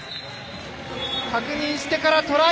確認してからトライ。